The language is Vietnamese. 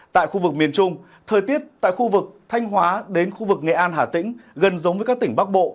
tại khu vực miền trung thời tiết tại khu vực thanh hóa đến khu vực nghệ an hà tĩnh gần giống với các tỉnh bắc bộ